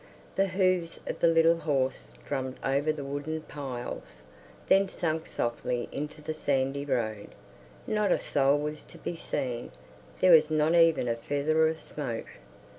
The hooves of the little horse drummed over the wooden piles, then sank softly into the sandy road. Not a soul was to be seen; there was not even a feather of smoke.